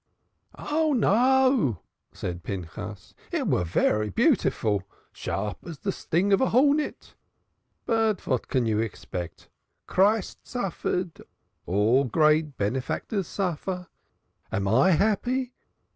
"Oh, no!" said Pinchas. "It was vair beautiful; sharp as de sting of de hornet. But vat can you expect? Christ suffered. All great benefactors suffer. Am I happy?